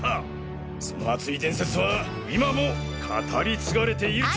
その熱い伝説は今も語りつがれていると。